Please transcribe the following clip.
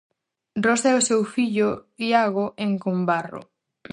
Rosa e o seu fillo Iago en Combarro.